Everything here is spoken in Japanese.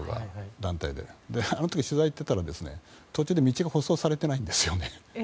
あの時、取材に行ったら途中で道が舗装されていないんですね。